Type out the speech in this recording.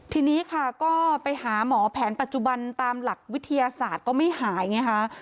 ทีนี้ค่ะก็ไปหาหมอแผนปัจจุบันตามหลักวิทยาศาสตร์ก็ไม่หายไงคะ